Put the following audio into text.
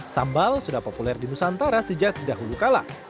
sambal sudah populer di nusantara sejak dahulu kala